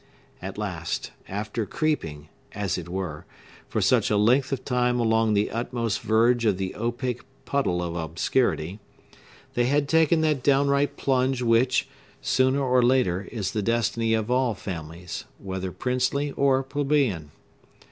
At last, after creeping, as it were, for such a length of time along the utmost verge of the opaque puddle of obscurity, they had taken that downright plunge which, sooner or later, is the destiny of all families, whether princely or plebeian.